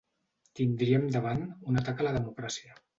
Tindríem davant un atac a la democràcia.